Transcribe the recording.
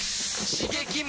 刺激！